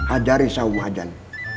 ajarin sahabat mahajan